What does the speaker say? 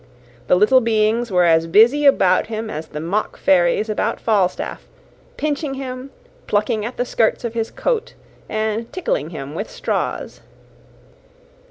The little beings were as busy about him as the mock fairies about Falstaff; pinching him, plucking at the skirts of his coat, and tickling him with straws.